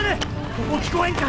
そこ聞こえんか？